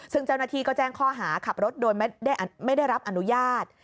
ซึ่งเจ้าหน้าที่ก็แจ้งข้อหาขับรถโดยไม่ได้รับอนุญาต